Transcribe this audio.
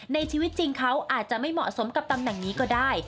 ในชีวิตจริงเขาอาจจะไม่เหมาะสมกับตำแหน่งนี้ก็ได้